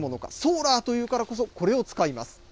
ソーラーというからこそ、これを使います。